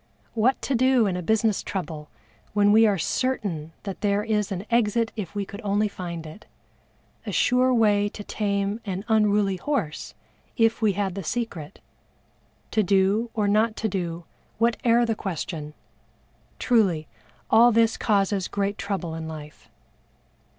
What to do in a business trouble when we are certain that there is an exit if we could only find it a sure way to tame an unruly horse if we had the secret to do or not to do whate'er the question truly all this causes great trouble in life.